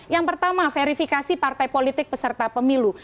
yang pertama verifikasi partai politik peserta pemilu